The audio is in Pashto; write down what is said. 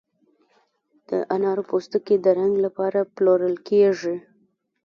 د انارو پوستکي د رنګ لپاره پلورل کیږي؟